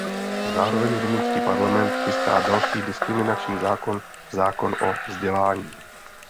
Zároveň rumunský parlament chystá další diskriminační zákon, zákon o vzdělání.